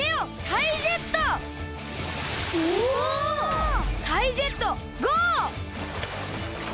タイジェットゴー！